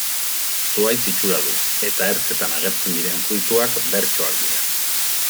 Zuhaitz itxura du, eta ertzetan agertzen diren fruituak bertsoak dira.